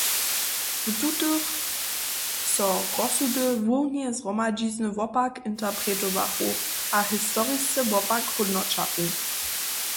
W tutych so rozsudy hłowneje zhromadźizny wopak interpretowachu a historisce wopak hódnoćachu.